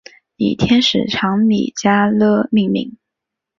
以天使长米迦勒命名。